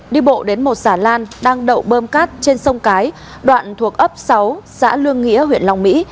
đi bộ đến một xà lan đang đậu bơm cát trên sông cái đoạn thuộc ấp sáu xã lương nghĩa huyện long mỹ